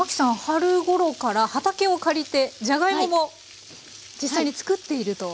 春ごろから畑を借りてじゃがいもも実際に作っていると。